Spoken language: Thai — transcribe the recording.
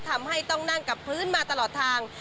ทำให้ต้องนั่งกับพื้นมาตลอดทาง